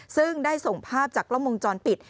ซึ่งได้ส่งภาพจากกล้องวงจรปิด